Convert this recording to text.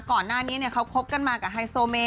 ก่อนหน้านี้เขาคบกันมากับไฮโซเม